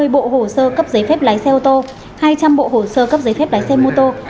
một trăm năm mươi bộ hồ sơ cấp giấy phép lái xe ô tô hai trăm linh bộ hồ sơ cấp giấy phép lái xe mô tô